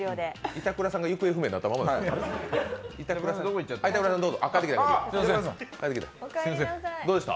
板倉さんが行方不明になったままですけど、どこ行った？